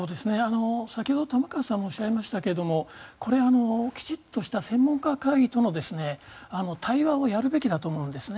先ほど玉川さんがおっしゃいましたけどこれ、きちんとした専門家会議との対話をやるべきだと思うんですね。